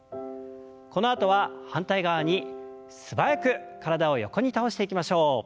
このあとは反対側に素早く体を横に倒していきましょう。